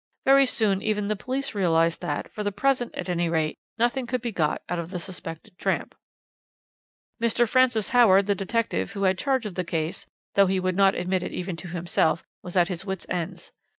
Very soon even the police realized that, for the present, at any rate, nothing could be got out of the suspected tramp. "Mr. Francis Howard, the detective, who had charge of the case, though he would not admit it even to himself, was at his wits' ends.